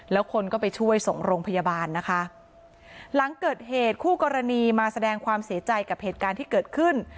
แล้วคนก็ไปช่วยส่งโรงพยาบาลนะคะหลังเกิดเหตุคู่กรณีมาแสดงความเสียใจกับเหตุการณ์ที่เกิดขึ้น